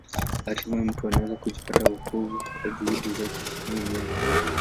Hatimaye mtu anaweza kujipatia wokovu kwa juhudi zake mwenyewe.